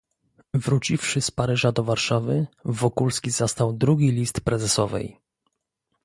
"Wróciwszy z Paryża do Warszawy, Wokulski zastał drugi list prezesowej."